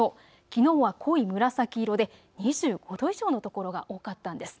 きのうは濃い紫色で２５度以上のところが多かったんです。